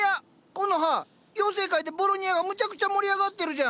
コノハ妖精界でボロニアがむちゃくちゃ盛り上がってるじゃん。